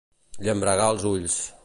Llambregar els ulls.